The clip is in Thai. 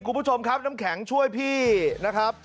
คุณผู้ชมครับน้ำแข็งช่วยพี่นะครับ